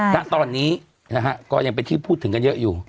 ณตอนนี้นะฮะก็ยังเป็นที่พูดถึงกันเยอะอยู่